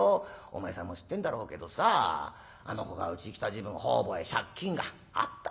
お前さんも知ってんだろうけどさあの子がうちへ来た時分方々へ借金があった。